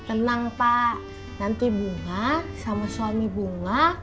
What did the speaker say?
tenang pak nanti bunga sama suami bunga